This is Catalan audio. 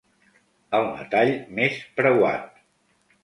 El metall més preuat.